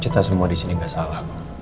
kita semua di sini nggak salah